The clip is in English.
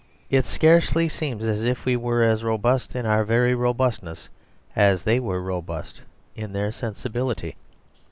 It scarcely seems as if we were as robust in our very robustness as they were robust in their sensibility.